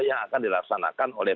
yang akan dilaksanakan oleh